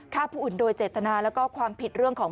ฆ่าผู้อื่นโดยเจตนาแล้วก็ความผิดเรื่องของ